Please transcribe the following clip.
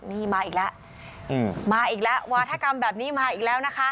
นี่มาอีกแล้วมาอีกแล้ววาธกรรมแบบนี้มาอีกแล้วนะคะ